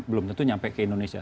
belum tentu nyampe ke indonesia